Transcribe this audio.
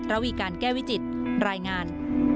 ระวีการแก้วิจิตรายงาน